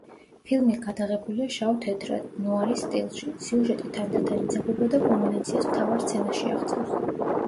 ფილმი გადაღებულია შავ-თეთრად, ნუარის სტილში, სიუჟეტი თანდათან იძაბება და კულმინაციას მთავარ სცენაში აღწევს.